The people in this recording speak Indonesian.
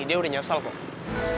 dia udah nyesel kok